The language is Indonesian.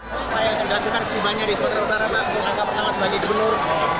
saya tergantungkan setibanya di sumatera utara bangku angka pertama sebagai gubernur